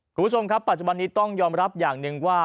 คุณผู้ชมครับปัจจุบันนี้ต้องยอมรับอย่างหนึ่งว่า